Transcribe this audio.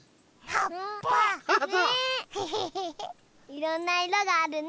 いろんないろがあるね！